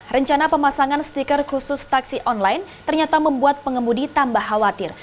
rencana pemasangan stiker khusus taksi online ternyata membuat pengemudi tambah khawatir